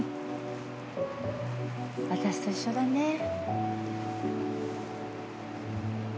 私と一緒だね。